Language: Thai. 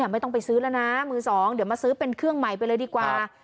ไม่ต้องไปซื้อแล้วนะมือสองเดี๋ยวมาซื้อเป็นเครื่องใหม่ไปเลยดีกว่า